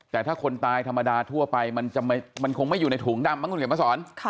แต่ถ้าคนตายธรรมดาทั่วไปมันคงไม่อยู่ในถุงดำมั้งคุณเขียนมาสอน